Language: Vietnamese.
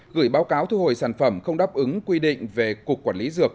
gửi báo cáo thu hồi sản phẩm không đáp ứng quy định về cục quản lý dược